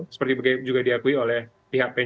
seperti juga diakui oleh pihak pn